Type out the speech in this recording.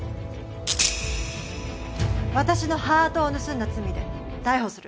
私のハートを盗んだ罪で逮捕する。